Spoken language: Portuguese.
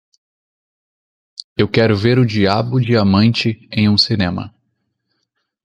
Eu quero ver o Diabo Diamante em um cinema.